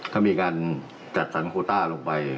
เขามีการจัดสรรคูต้าลงไป